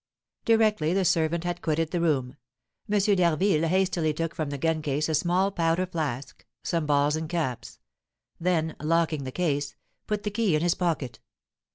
Directly the servant had quitted the room, M. d'Harville hastily took from the gun case a small powder flask, some balls and caps; then, locking the case, put the key in his pocket.